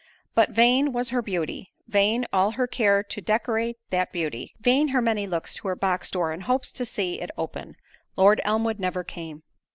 But vain was her beauty; vain all her care to decorate that beauty; vain her many looks to her box door in hopes to see it open—Lord Elmwood never came.